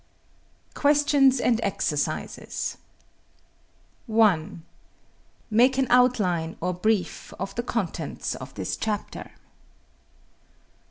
QUESTIONS AND EXERCISES 1. Make an outline, or brief, of the contents of this chapter.